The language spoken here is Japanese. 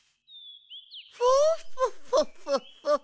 フォッフォッフォッフォッフォッフォッ。